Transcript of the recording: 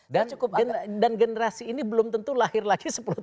dan generasi ini belum tentu lahir lagi sepuluh tahun